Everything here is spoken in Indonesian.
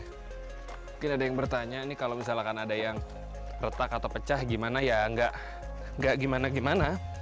mungkin ada yang bertanya ini kalau misalkan ada yang retak atau pecah gimana ya nggak gimana gimana